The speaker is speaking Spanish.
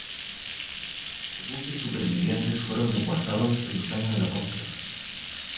Los buques supervivientes, fueron desguazados en los años de posguerra.